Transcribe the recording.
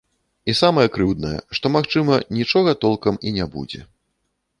І самае крыўднае, што, магчыма, нічога толкам і не будзе.